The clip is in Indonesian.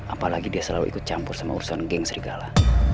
apalagi dia selalu ikut campur sama urusan geng serigala